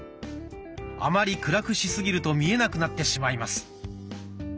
あまり暗くしすぎると見えなくなってしまいます。